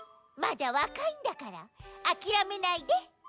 まだわかいんだからあきらめないで！